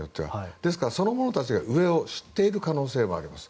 ですからその者たちが上を知っている可能性もあります。